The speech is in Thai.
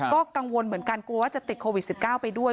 ก็กังวลเหมือนกันกลัวว่าจะติดโควิด๑๙ไปด้วย